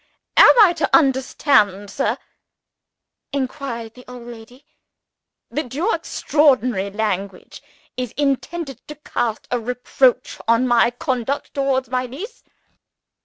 "Am I to understand, sir," inquired the old lady, "that your extraordinary language is intended to cast a reproach on my conduct towards my niece?"